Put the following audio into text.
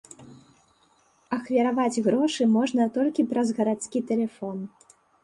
Ахвяраваць грошы можна толькі праз гарадскі тэлефон.